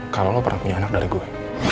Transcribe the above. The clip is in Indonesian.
kalau lo pernah punya anak dari gue